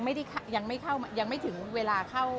ยังไม่เข้ายังไม่ถึงเวลาเข้า